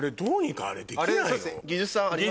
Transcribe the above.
技術さんあります？